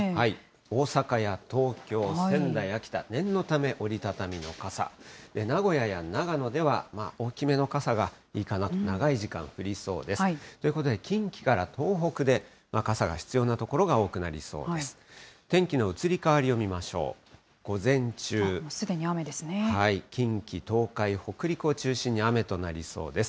大阪や東京、仙台、秋田、念のため折り畳みの傘、名古屋や長野では、大きめの傘がいいかなと、長い時間降りそうです。ということで、近畿から東北で傘が必要な所が多くなりそうです。